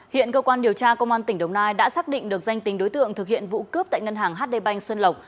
hiện cơ quan điều tra công an tỉnh đồng nai đã xác định được danh tính đối tượng thực hiện vụ cướp tại ngân hàng hd bank xuân lộc